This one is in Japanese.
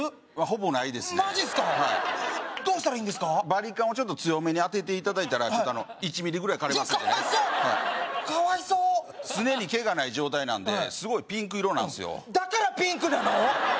バリカンをちょっと強めに当てていただいたら１ミリぐらい刈れますんでねかわいそうかわいそう常に毛がない状態なんですごいピンク色なんですよだからピンクなの？